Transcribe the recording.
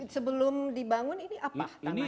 sebelum dibangun ini apa tanah ini